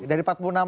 dari partnernya gitu